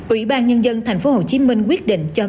ủy ban nhân dân tp hcm quyết định cho các trạm kiểm soát giao thông